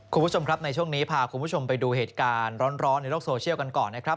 คุณผู้ชมครับในช่วงนี้พาคุณผู้ชมไปดูเหตุการณ์ร้อนในโลกโซเชียลกันก่อนนะครับ